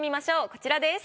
こちらです。